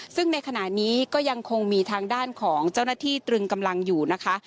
ซึ่งในขณะนี้ก็ยังคงมีทางด้านของเจ้าหน้าที่ตรึงกำลังอยู่นะคะ